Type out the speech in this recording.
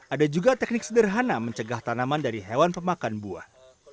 ada juga teknik sederhana mencegah tanaman dari hewan pemakan buah